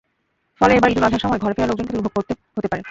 ফলে এবার ঈদুল আজহার সময় ঘরে ফেরা লোকজনকে দুর্ভোগে পড়তে হতে পারে।